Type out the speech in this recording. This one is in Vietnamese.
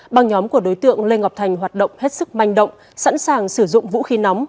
băng nhóm của đối tượng lê ngọc thành hoạt động hết sức manh động sẵn sàng sử dụng vũ khí nóng